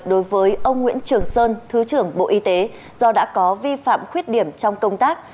đối với ông nguyễn trường sơn thứ trưởng bộ y tế do đã có vi phạm khuyết điểm trong công tác